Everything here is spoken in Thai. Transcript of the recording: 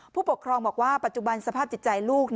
ผู้ปกครองบอกว่าปัจจุบันสภาพจิตใจลูก